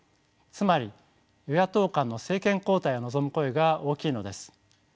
つまり与野党間の政権交代を望む声が大きいのです。